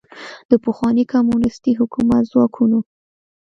د پخواني کمونیستي حکومت ځواکونو